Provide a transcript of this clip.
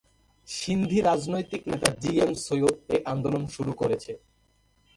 সিন্ধি রাজনৈতিক নেতা জিএম সৈয়দ এই আন্দোলন শুরু করেছে।